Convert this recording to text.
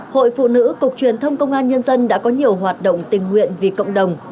hội phụ nữ cục truyền thông công an nhân dân đã có nhiều hoạt động tình nguyện vì cộng đồng